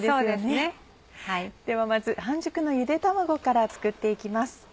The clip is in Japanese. ではまず半熟のゆで卵から作って行きます。